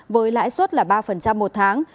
với lãi suất là ba một tháng